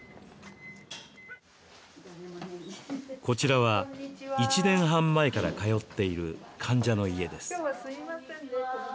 こちらは、１年半前から通っている患者の家です。